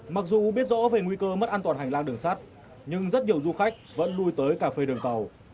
mặc dù biết rõ về nguy cơ mất an toàn hành lang đường sát nhưng rất nhiều du khách vẫn lui tới cà phê đường tàu